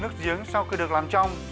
nước giếng sau khi được làm trong